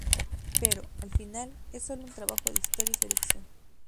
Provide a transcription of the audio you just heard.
Pero, al final, es sólo un trabajo de historia y selección".